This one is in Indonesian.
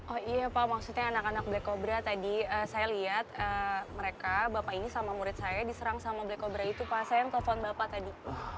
oh iya pak maksudnya anak anak black kobra tadi saya lihat mereka bapak ini sama murid saya diserang sama black obra itu pak saya yang telepon bapak tadi